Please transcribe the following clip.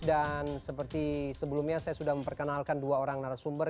dan seperti sebelumnya saya sudah memperkenalkan dua orang narasumber